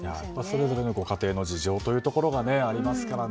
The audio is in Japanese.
それぞれのご家庭の事情がありますからね。